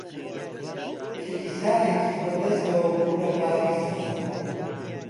کلیسایەکی بە دەستەوە بوو لە پاریسدا